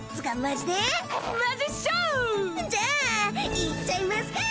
じゃあ行っちゃいますかー！